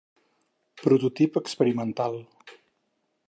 Prototip experimental.